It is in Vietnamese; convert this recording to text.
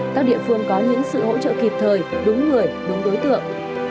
các địa phương có những sự hỗ trợ kịp thời đúng người đúng đối tượng